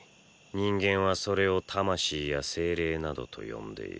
人間はそれを魂や精霊などと呼んでいる。